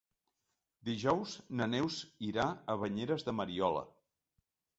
Dijous na Neus irà a Banyeres de Mariola.